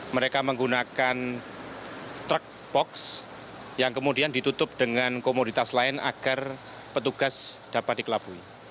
mereka menggunakan truk box yang kemudian ditutup dengan komoditas lain agar petugas dapat dikelabui